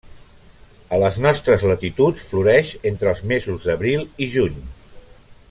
A les nostres latituds floreix entre els mesos d'abril i juny.